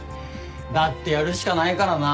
だってやるしかないからな。